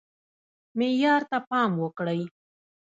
معیار ته پام وکړئ